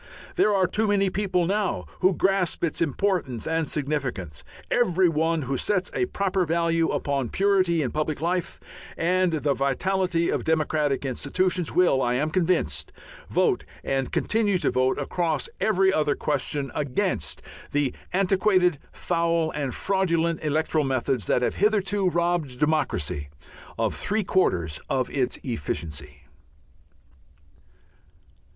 There are too many people now who grasp its importance and significance. Every one who sets a proper value upon purity in public life and the vitality of democratic institutions will, I am convinced, vote and continue to vote across every other question against the antiquated, foul, and fraudulent electoral methods that have hitherto robbed democracy of three quarters of its efficiency.